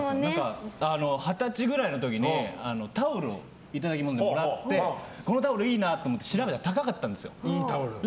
二十歳ぐらいの時にタオルをいただきものでもらってこのタオルいいなと思って調べたら高かったんですよ。